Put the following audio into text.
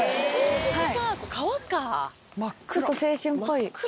ちょっと青春っぽい。